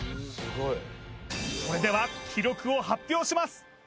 それでは記録を発表します